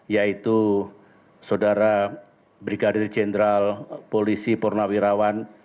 yaitu saudara brigadir jenderal polisi purnawirawan